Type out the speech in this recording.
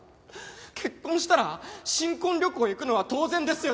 結婚したら新婚旅行へ行くのは当然ですよね。